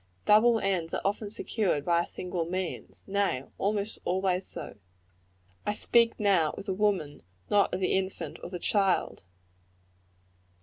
Double ends are often secured by single means; nay, almost always so. I speak now of the woman, and not of the infant or the child.